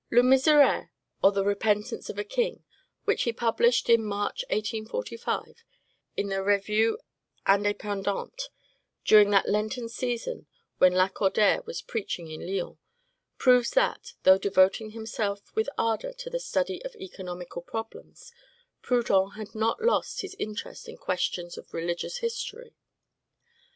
"Le Miserere, or the Repentance of a King," which he published in March, 1845, in the "Revue Independante," during that Lenten season when Lacordaire was preaching in Lyons, proves that, though devoting himself with ardor to the study of economical problems, Proudhon had not lost his interest in questions of religious history.